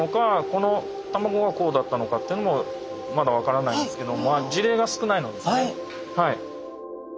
この卵がこうだったのかってのもまだ分からないんですけど事例が少ないのですねはい。